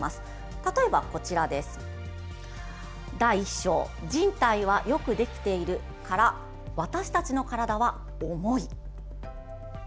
例えば、第１章「人体はよくできている」から「私たちの体は重い」。